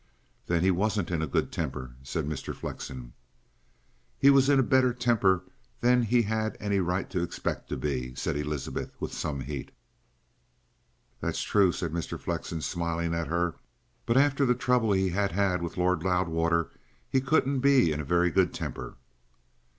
"Then he wasn't in a good temper," said Mr. Flexen. "He was in a better temper than he'd any right to expect to be," said Elizabeth with some heat. "That's true," said Mr. Flexen, smiling at her. "But after the trouble he had had with Lord Loudwater he couldn't be in a very good temper."